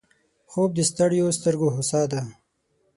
خوب د ستړیو سترګو هوسا ده